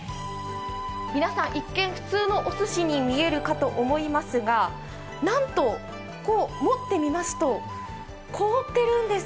皆さん一見、普通のおすしに見えるかと思いますが、なんと、持ってみますと凍ってるんです。